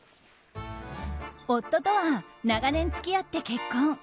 夫とは長年付き合って結婚。